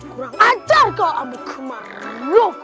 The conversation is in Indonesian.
kurang ajar kau amikumar